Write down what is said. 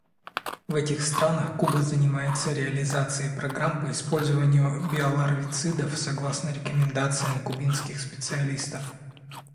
В этих странах Куба занимается реализацией программ по использованию биоларвицидов согласно рекомендациям кубинских специалистов.